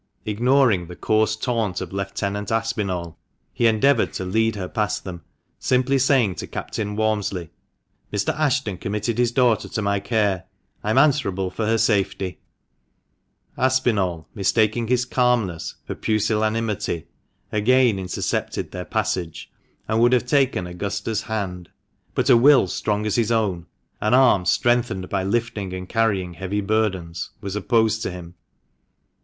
Ignoring the coarse taunt of Lieutenant Aspinall, he endeavoured to lead her past them, simply saying to Captain Walmsley —" Mr. Ashton committed his daughter to my care. I am answerable for her safety," Aspinall, mistaking his calmness for pusillanimity, again intercepted their passage, and would have taken Augusta's hand. But a will strong as his own — an arm strengthened by lifting and carrying heavy burdens — was opposed to him.